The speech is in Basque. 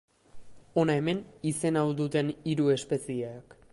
Hona hemen izen hau duten hiru espezieak.